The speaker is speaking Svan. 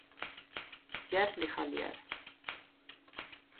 ჲა̈რ ლიხ ალჲა̈რ?